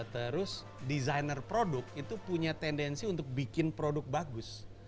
terus desainer produk itu punya tendensi untuk bikin produk bagus